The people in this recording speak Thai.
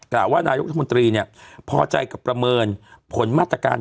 กล่าวว่านายกรัฐมนตรีเนี่ยพอใจกับประเมินผลมาตรการ